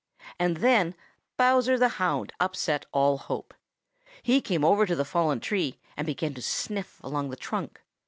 And then Bowser the Hound upset all hope. He came over to the fallen tree and began to sniff along the trunk.